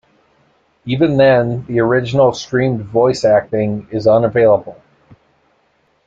Even then, the original streamed voice acting is unavailable.